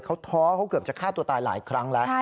เขาท้อเขาเกือบจะฆ่าตัวตายหลายครั้งแล้ว